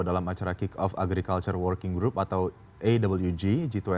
dalam acara kick off agriculture working group atau awg g dua puluh